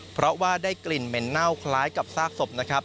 เพราะว่าได้กลิ่นเหม็นเน่าคล้ายกับซากศพนะครับ